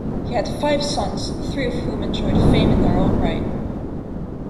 He had five sons, three of whom enjoyed fame in their own right.